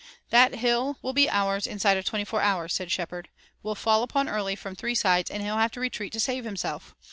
"That hill will be ours inside of twenty four hours," said Shepard. "We'll fall upon Early from three sides and he'll have to retreat to save himself.